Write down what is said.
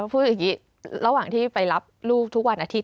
พูดอย่างนี้ระหว่างที่ไปรับลูกทุกวันอาทิตย